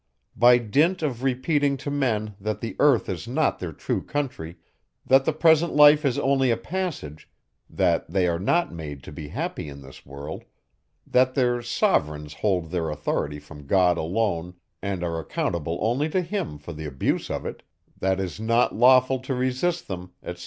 By dint of repeating to men, that the earth is not their true country; that the present life is only a passage; that they are not made to be happy in this world; that their sovereigns hold their authority from God alone, and are accountable only to him for the abuse of it; that it is not lawful to resist them, etc.